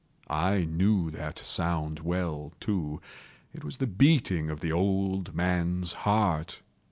I knew that sound well, too. It was the beating of the old man's heart.